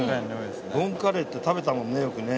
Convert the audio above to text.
ボンカレーって食べたもんねよくね。